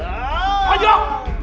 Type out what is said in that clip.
hajar pak limah